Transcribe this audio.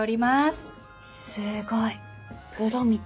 すごいプロみたい。